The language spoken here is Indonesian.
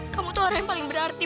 kamu tuh orang yang paling berarti